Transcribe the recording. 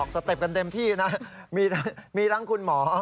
สเต็ปกันเต็มที่นะมีทั้งคุณหมอ